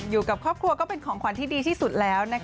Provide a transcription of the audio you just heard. อยู่กับครอบครัวก็เป็นของขวัญที่ดีที่สุดแล้ว